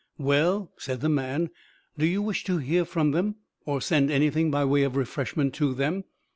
'Well,' said the man, 'do you wish to hear from them, or send anything by way of refreshment to them?